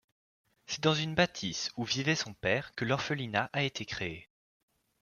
C'est dans une bâtisse où vivait son père que l'orphelinat a été créé.